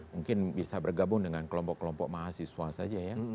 mungkin bisa bergabung dengan kelompok kelompok mahasiswa saja ya